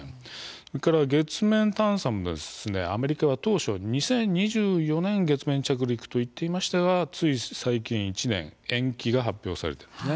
それから月面探査もアメリカは当初２０２４年月面着陸と言っていましたがつい最近、１年延期が発表されているんです。